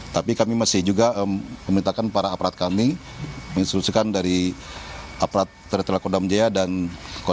tapi kami masih juga memintakan para aparat kami menginstitusikan dari aparat terletak kodam jaya dan kodam tiga siliwangi khususnya kapten bogor